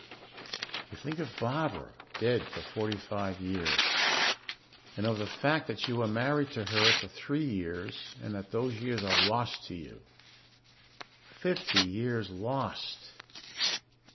You think of Barbara dead for forty five years. And of the fact that you were married to her for three years and that those years are lost to you. Fifty years lost.